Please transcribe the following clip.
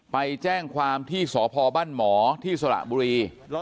ไปแจ้งความที่สพบ้านหมอที่สระบุรี